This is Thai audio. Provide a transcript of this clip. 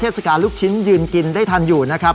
ศกาลลูกชิ้นยืนกินได้ทันอยู่นะครับ